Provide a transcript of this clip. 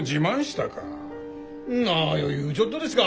何を言うちょっとですか！